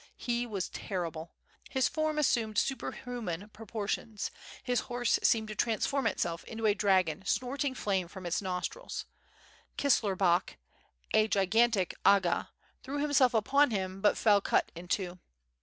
He was terrible. His form assumed superhuman proportions; his horse seemed to transform itself into a dragon snorting flame from its nostrils. Kisler Bak, a gigantic aga, threw himself upon him, but fell cut in two.